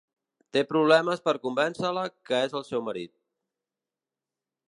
Té problemes per convèncer-la que és el seu marit.